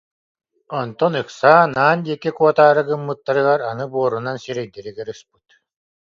Онтон ыксаан, аан диэки куотаары гыммыттарыгар, аны буорунан сирэйдэригэр ыспыт